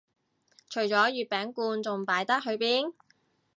除咗月餅罐仲擺得去邊